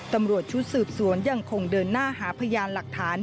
ตำรวจชุดสืบสวนยังคงเดินหน้าหาพยานหลักฐาน